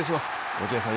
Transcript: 落合さん